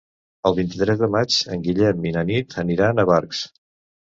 El vint-i-tres de maig en Guillem i na Nit aniran a Barx.